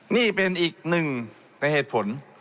นี่เป็นอีกหนึ่งในเหตุผล